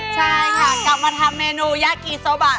ใช่ค่ะกลับมาทำเมนูยากกี้สโปะ